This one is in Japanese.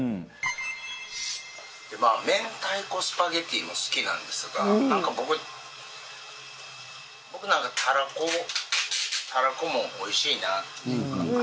明太子スパゲティも好きなんですが僕、なんか、たらこもおいしいなっていうか。